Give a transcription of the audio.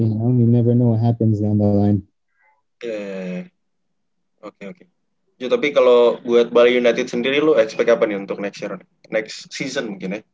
tapi kalo buat bali united sendiri lu expect apa nih untuk next season